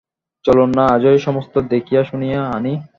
চলুন-না আজই সমস্ত দেখিয়ে শুনিয়ে আনি।